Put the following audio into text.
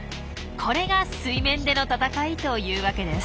これが「水面での闘い」というわけです。